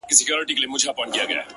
• سپوږمۍ هغې ته په زاریو ویل ـ